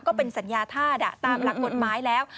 ก็เป็นสัญญาธาตุตามหลักกฎหมายแล้ว